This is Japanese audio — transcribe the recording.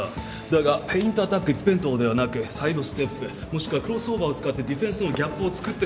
だがペイントアタック一辺倒ではなくサイドステップもしくはクロスオーバーを使ってディフェンスとのギャップをつくってからのペネトレイト。